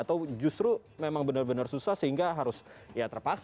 atau justru memang benar benar susah sehingga harus ya terpaksa